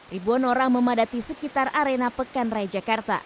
ribuan orang memadati sekitar arena pekan raya jakarta